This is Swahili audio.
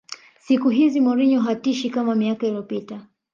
siku hizi mourinho hatishi kama miaka iliyopita